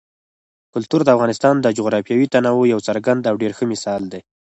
کلتور د افغانستان د جغرافیوي تنوع یو څرګند او ډېر ښه مثال دی.